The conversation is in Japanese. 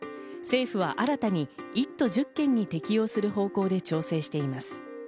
政府は新たに１都１０県に適応する方向で調整しています。